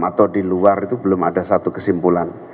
atau di luar itu belum ada satu kesimpulan